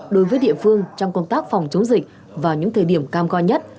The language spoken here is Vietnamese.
đối với địa phương trong công tác phòng chống dịch vào những thời điểm cam go nhất